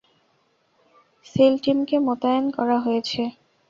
Seal টিমকে মোতায়েন করা হয়েছে?